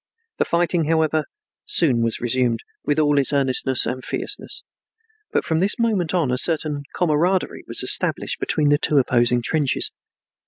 The fighting, however, soon was resumed with all its earnestness and fierceness, but from this moment on a certain camaraderie was established between the two opposing trenches.